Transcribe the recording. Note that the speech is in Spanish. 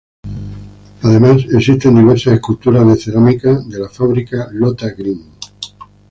Adicionalmente, existen diversas esculturas de cerámica de la fábrica Lota Green.